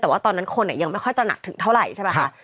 แต่ตอนนั้นคนยังไม่ค่อยจะหนักถึงเท่าไหร่